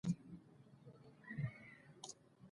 ویلیم جونز د فرانسې د انقلاب نه وړاندي دا کار کړی و.